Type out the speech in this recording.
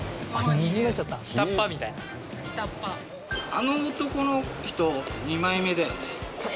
あの男の人二枚目だよね。